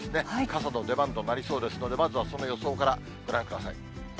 傘の出番となりそうですので、まずはその予想からご覧ください。